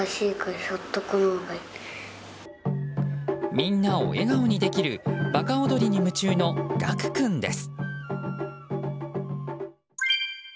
みんなを笑顔にできる馬鹿踊りに夢中の岳玖君です。